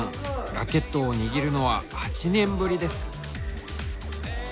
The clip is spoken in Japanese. ラケットを握るのは８年ぶりです。